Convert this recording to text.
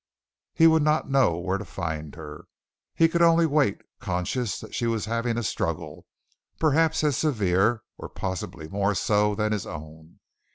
He would not know where to find her. He could only wait, conscious that she was having a struggle, perhaps as severe, or possibly more so, than his own.